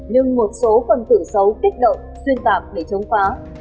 nhưng một số phần tử xấu kích động xuyên tạp để chống phá